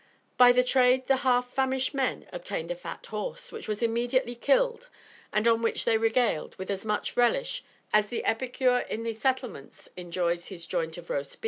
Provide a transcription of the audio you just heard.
By the trade the half famished men obtained a fat horse, which was immediately killed, and on which they regaled with as much relish as the epicure in the settlements enjoys his "joint of roast beef."